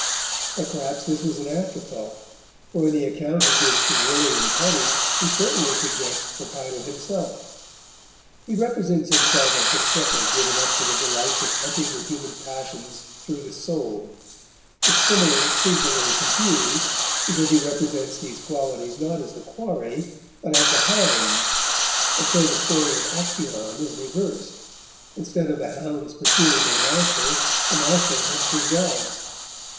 But perhaps this was an afterthought, for in the account he gives to Willy and Cuddy he certainly suggests the title himself. He represents himself as the shepherd given up to the delights of hunting the human passions through the soul; the simile seems a little confused, because he represents these qualities not as the quarry, but as the hounds, and so the story of Actaeon is reversed; instead of the hounds pursuing their master, the master hunts his dogs.